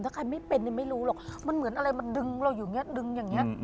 ถ้าใครไม่เป็นไม่รู้หรอกมันเหมือนอะไรมันดึงเราอยู่อย่างนี้